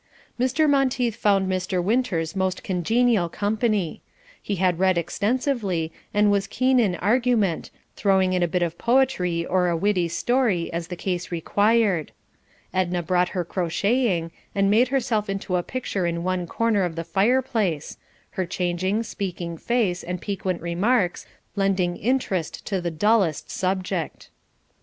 Mr. Monteith found Mr. Winters most congenial company. He had read extensively, and was keen in argument, throwing in a bit of poetry or a witty story, as the case required. Edna brought her crotcheting and made herself into a picture in one corner of the fireplace, her changing, speaking face and piquant remarks lending interest to the dullest subject.